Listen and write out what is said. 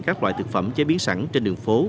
các loại thực phẩm chế biến sẵn trên đường phố